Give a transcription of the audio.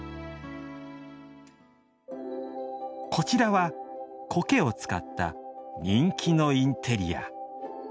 こちらは苔を使った人気のインテリア。